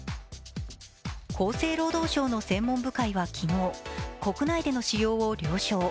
厚生労働省の専門部会は昨日、国内での使用を了承。